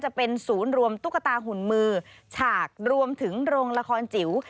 จะเป็นศูนย์รวมตุ๊กตาหุ่นมือฉากรวมถึงโรงละครจิ๋ว